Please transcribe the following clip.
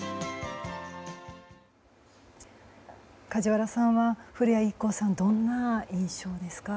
梶原さんは古谷一行さんはどんな印象ですか？